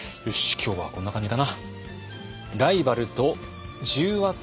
今日はこんな感じかな。